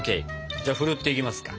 じゃあふるっていきますか。